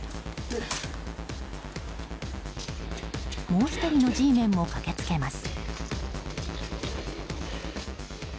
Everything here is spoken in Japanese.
もう１人のＧメンも駆けつけます。